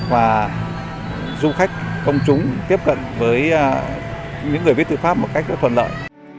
và du khách công chúng tiếp cận với những người viết thư pháp một cách thuận lợi